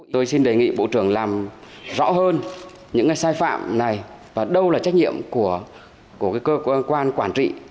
tôi xin đề nghị bộ trưởng làm rõ hơn những sai phạm này và đâu là trách nhiệm của cơ quan quản trị